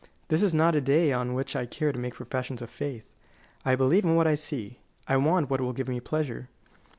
This is not a day on which I care to make professions of faith. I believe in what I see. I want what will give me pleasure."